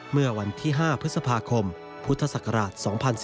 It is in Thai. เมื่อวันที่๕พฤษภาคมพุทธศักราช๒๔